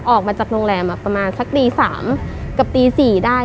ออกมาจากโรงแรมประมาณสักตี๓กับตี๔ได้